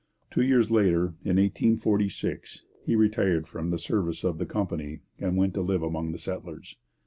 Two years later, in 1846, he retired from the service of the company and went to live among the settlers.